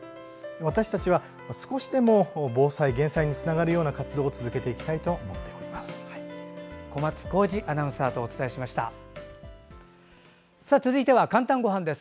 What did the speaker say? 私たちは少しでも防災・減災につながるような活動を続けていきたいと思っております。